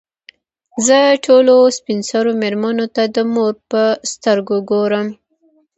زه ټولو سپین سرو مېرمنو ته د مور په سترګو ګورم.